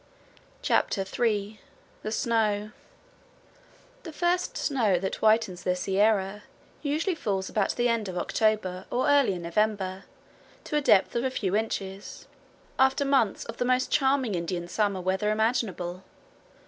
CHAPTER III THE SNOW The first snow that whitens the Sierra, usually falls about the end of October or early in November, to a depth of a few inches, after months of the most charming Indian summer weather imaginable.